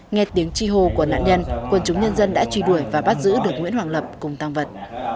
nghe tiếng chi hô của nạn nhân quân chúng nhân dân đã truy đuổi và bắt giữ được nguyễn hoàng lập cùng tăng vật